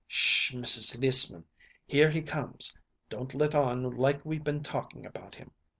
"'Sh h h, Mrs. Lissman! Here he comes. Don't let on like we been talking about him.